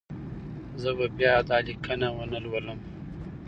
زه به بیا دا لیکنه ونه لولم.